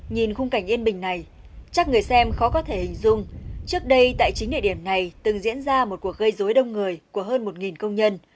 nhìn khung cảnh yên bình này chắc người xem khó có thể hình dung trước đây tại chính địa điểm này từng diễn ra một cuộc gây dối đông người của hơn một công nhân